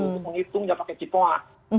untuk menghitungnya pakai cipoa